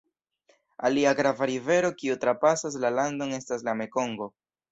Alia grava rivero kiu trapasas la landon estas la Mekongo.